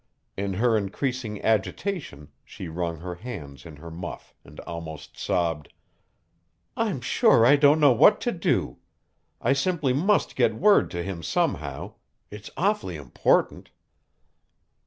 In her increasing agitation she wrung her hands in her muff and almost sobbed: "I'm sure I don't know what to do. I simply must get word to him somehow. It's awfully important."